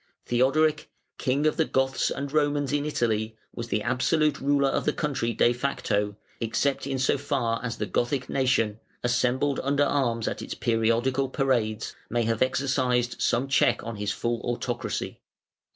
Theodoric, "King of the Goths and Romans in Italy", was absolute ruler of the country de facto, except in so far as the Gothic nation, assembled under arms at its periodical parades, may have exercised some check on his full autocracy.